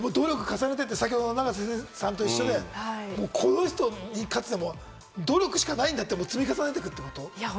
努力を重ねていって、永瀬さんと同じこの人に勝つために努力しかないんだって、積み重ねていくってこと？